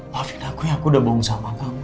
maaf aku ya aku udah bohong sama kamu